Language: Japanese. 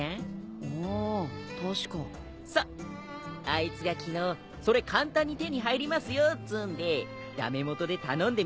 あいつが昨日それ簡単に手に入りますよっつうんで駄目もとで頼んでみたわけ。